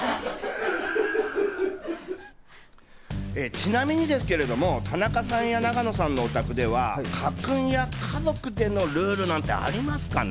ちなみにですけれども、田中さんや永野さんのお宅では、家訓や家族でのルールなんてありますかね？